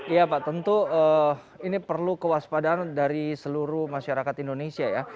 iya pak tentu ini perlu kewaspadaan dari seluruh masyarakat indonesia ya